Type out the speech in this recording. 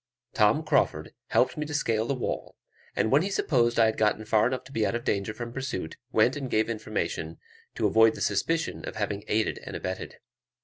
Tom Crauford helped me to scale the wall; and when he supposed I had got far enough to be out of danger from pursuit, went and gave information, to avoid the suspicion of having aided and abetted.